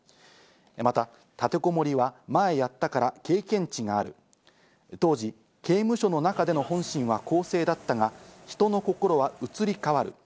また立てこもりは前やったから経験値がある、当時、刑務所の中での本心は更生だったが、人の心は移り変わる。